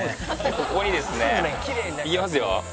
ここにですねいきますよ。